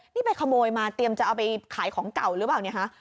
นี่ไปขโมยมาเตรียมจะเอาไปขายของเก่าหรือเปล่าเนี่ยคะ